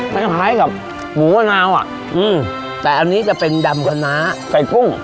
คล้ายกับหมูมะนาวอ่ะอืมแต่อันนี้จะเป็นดำคณะไก่กุ้ง